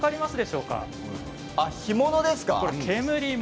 干物ですか？